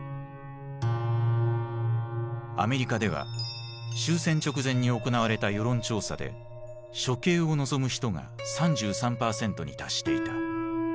アメリカでは終戦直前に行われた世論調査で処刑を望む人が３３％に達していた。